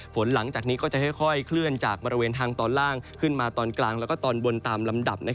ฝนหลังจากนี้ก็จะค่อยเคลื่อนจากบริเวณทางตอนล่างขึ้นมาตอนกลางและตอนบนตามลำดับ